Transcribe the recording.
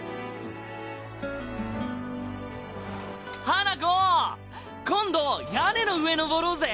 花子今度屋根の上上ろうぜ。